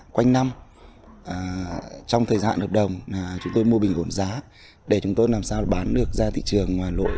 quanh năm trong thời gian hợp đồng chúng tôi mua bình ổn giá để chúng tôi làm sao bán được ra thị trường ngoài lội